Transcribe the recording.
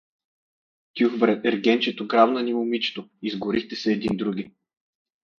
— Тюх бре, ергенчето грабна ни момичето, изгорихте се един други.